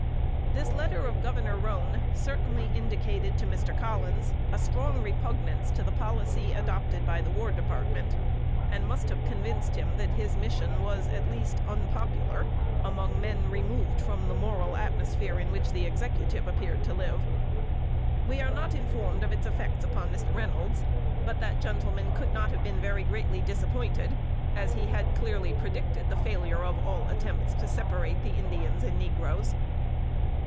This letter of Governor Roane certainly indicated to Mr. Collins a strong repugnance to the policy adopted by the War Department, and must have convinced him that his mission was, at least, unpopular among men removed from the moral atmosphere in which the Executive appeared to live. We are not informed of its effects upon Mr. Reynolds; but that gentleman could not have been very greatly disappointed, as he had clearly predicted the failure of all attempts to separate the Indians and negroes.